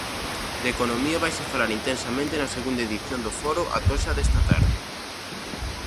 De economía vaise falar intensamente na segunda edición do Foro A Toxa desta tarde.